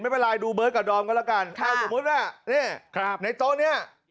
ไม่เป็นไรดูบิร์ตกับดอมกันแล้วกันไอ้ในโจ๊กเนี่ย